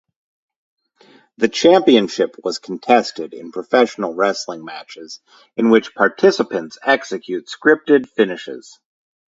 The championship was contested in professional wrestling matches, in which participants execute scripted finishes.